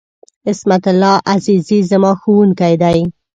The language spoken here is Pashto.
عصمت الله عزیزي ، زما ښوونکی دی.